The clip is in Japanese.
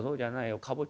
かぼちゃ！